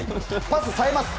パス、さえます。